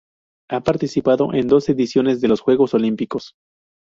Ha participado en dos ediciones de los Juegos Olímpicos.